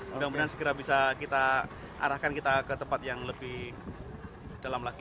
mudah mudahan segera bisa kita arahkan kita ke tempat yang lebih dalam lagi